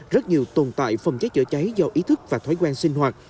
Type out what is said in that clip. rất nhiều tồn tại phòng cháy chữa cháy do ý thức và thói quen sinh hoạt